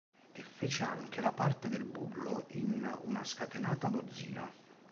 E fece anche la parte del bullo in "Una scatenata dozzina".